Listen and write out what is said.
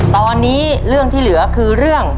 ตอนนี้เรื่องที่เหลือคือเรื่อง